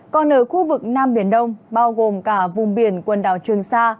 còn ở khu vực nam biển đông bao gồm cả vùng biển quần đảo trường sa